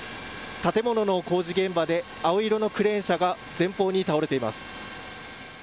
建物の工事現場で青色のクレーン車が前方に倒れています。